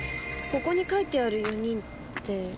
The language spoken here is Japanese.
ここに書いてある４人って。